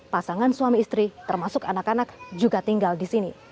pasangan suami istri termasuk anak anak juga tinggal di sini